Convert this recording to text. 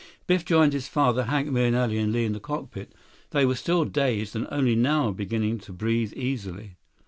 Biff joined his father, Hank Mahenili, and Li in the cockpit. They were still dazed and only now beginning to breathe easily.